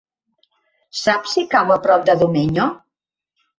Saps si cau a prop de Domenyo?